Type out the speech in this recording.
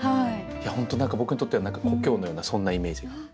本当何か僕にとっては故郷のようなそんなイメージが。